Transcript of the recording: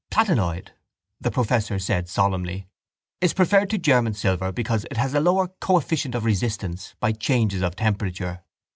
—Platinoid, the professor said solemnly, is preferred to German silver because it has a lower coefficient of resistance by changes of temperature.